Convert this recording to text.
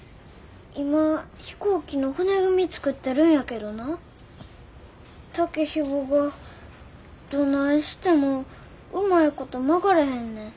今飛行機の骨組み作ってるんやけどな竹ひごがどないしてもうまいこと曲がれへんねん。